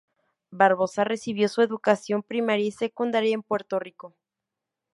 Barbosa recibió su educación primaria y secundaria en Puerto Rico.